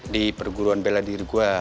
di perguruan bela diri gue